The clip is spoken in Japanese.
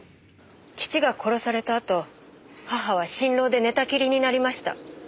父が殺されたあと母は心労で寝たきりになりました。